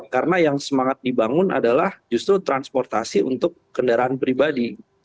karena yang semangat dibangun adalah justru transportasi untuk kendaraan pribadi